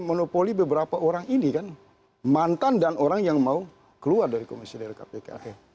monopoli beberapa orang ini kan mantan dan orang yang mau keluar dari komisioner kpk